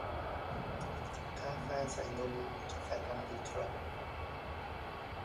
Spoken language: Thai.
กาแฟใส่นม หรือกาแฟดำดีครับ